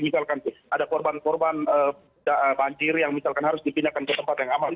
misalkan ada korban korban banjir yang misalkan harus dipindahkan ke tempat yang aman